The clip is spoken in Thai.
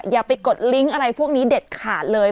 อย่าไปกดลิงก์อะไรพวกนี้เด็ดขาดเลย